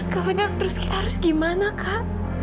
kak fadil terus kita harus gimana kak